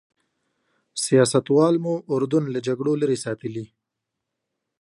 سیاستوالو مو اردن له جګړو لرې ساتلی.